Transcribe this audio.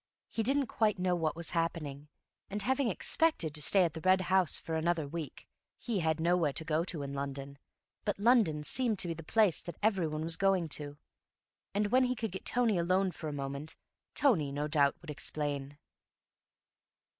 He didn't quite know what was happening, and, having expected to stay at the Red House for another week, he had nowhere to go to in London, but London seemed to be the place that everyone was going to, and when he could get Tony alone for a moment, Tony no doubt would explain.